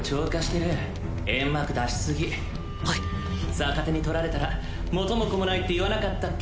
逆手に取られたら元も子もないって言わなかったっけ？